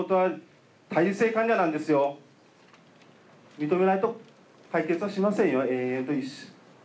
認めないと解決はしませんよ永遠。